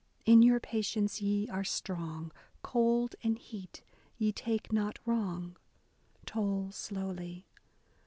In your patience ye are strong ; cold and heat ye take not wrong. Toll slowly.